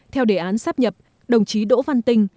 theo đề án sắp nhập đồng chí đỗ văn tinh